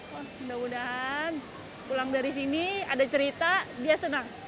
mudah mudahan pulang dari sini ada cerita dia senang